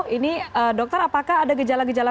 ini dokter apakah ada gejala gejala